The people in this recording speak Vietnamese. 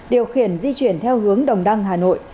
điều khiển di chuyển theo hướng đồng đăng hà nội